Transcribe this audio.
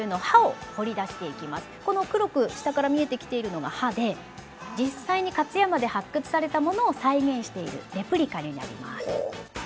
この黒く下から見えてきているのが歯で実際に勝山で発掘されたものを再現しているレプリカになります。